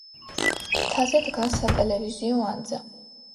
მთაზე დგას სატელევიზიო ანძა.